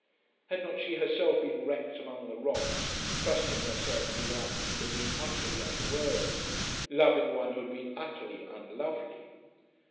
Had not she herself been wrecked among the rocks, trusting herself to one who had been utterly unworthy, loving one who had been utterly unlovely?